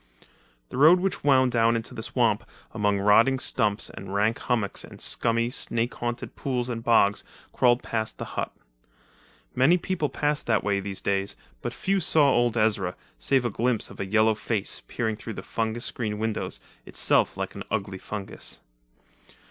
The road, which wound down into the swamp among rotting stumps and rank hummocks and scummy, snake haunted pools and bogs, crawled past the hut. Many people passed that way these days, but few saw old Ezra, save a glimpse of a yellow face, peering through the fungus screened windows, itself like an ugly fungus.